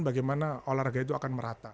bagaimana olahraga itu akan merata